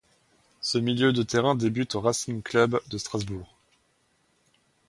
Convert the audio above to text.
Ce milieu de terrain débute au Racing Club de Strasbourg.